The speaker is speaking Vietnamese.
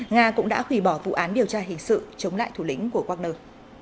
nga cũng đã hủy bỏ vụ án điều tra hình sự chống lại thủ lĩnh của wagner